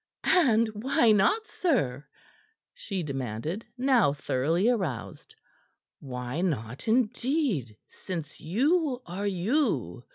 "And why not, sir?" she demanded, now thoroughly aroused. "Why not, indeed since you are you?"